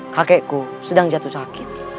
kakekku sedang jatuh sakit